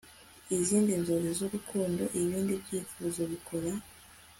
izindi nzozi zurukundo, ibindi byifuzo bikora